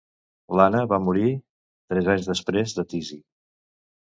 L'Anna va morir tres anys després de tisi.